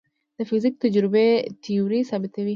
د فزیک تجربې تیوري ثابتوي.